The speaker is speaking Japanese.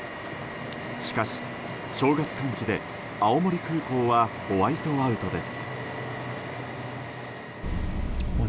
しかし、正月寒気で青森空港はホワイトアウトです。